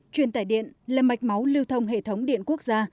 truyền tải điện là mạch máu lưu thông hệ thống điện quốc gia